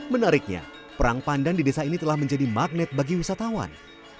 menariknya perang pandan di desa ini telah menjadi magnet bagi wisatawan